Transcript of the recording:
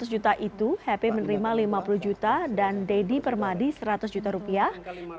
seratus juta itu happy menerima lima puluh juta dan deddy permadi seratus juta rupiah